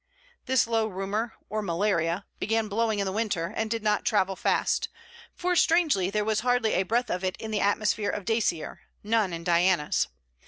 This low rumour, or malaria, began blowing in the winter, and did not travel fast; for strangely, there was hardly a breath of it in the atmosphere of Dacier, none in Diana's.